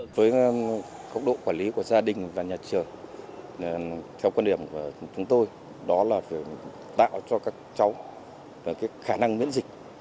theo quan điểm của chúng tôi đó là tạo cho các cháu khả năng miễn dịch